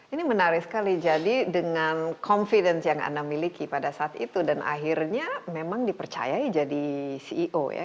ini menarik sekali jadi dengan confidence yang anda miliki pada saat itu dan akhirnya memang dipercayai jadi ceo ya